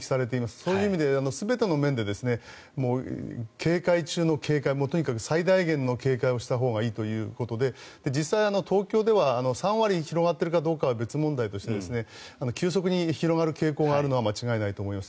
そういう意味で全ての面で警戒中の警戒とにかく最大限の警戒をしたほうがいいということで実際、東京では３割に広がっているかどうかは別問題として急速に広がる傾向があるのは間違いないと思います。